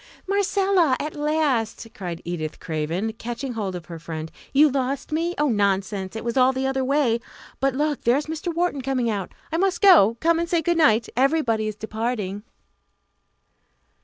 "Marcella! at last!" cried Edith Craven, catching hold of her friend; "you lost me? Oh, nonsense; it was all the other way. But look, there is Mr. Wharton coming out. I must go come and say good night everybody is departing."